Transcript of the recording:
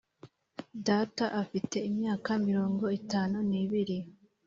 data afite imyaka mirongo itanu n'ibiri.